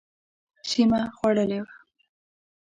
سیمه خوړلې وه.